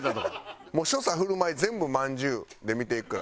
もう所作振る舞い全部まんじゅうで見ていくから。